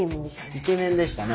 イケメンでしたね。